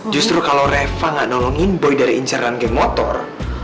justru kalau reva gak nolongin boy dari inceran geng motor